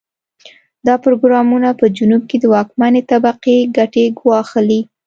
دا پروګرامونه په جنوب کې د واکمنې طبقې ګټې ګواښلې.